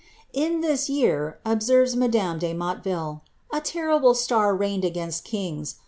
••In this year," observes madame de3Iotleville,"a terrible star reigned against kings.